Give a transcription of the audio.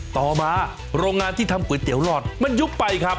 ต่อมาโรงงานที่ทำก๋วยเตี๋หลอดมันยุบไปครับ